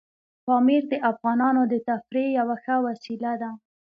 پامیر د افغانانو د تفریح یوه ښه وسیله ده.